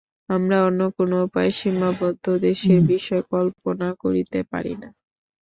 আমরা অন্য কোন উপায়ে সীমাবদ্ধ দেশের বিষয় কল্পনা করিতে পারি না।